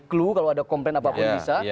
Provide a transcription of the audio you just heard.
clue kalau ada komplain apapun bisa